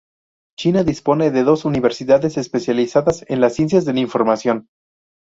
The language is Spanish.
China dispone de dos universidades especializadas en las ciencias de la información.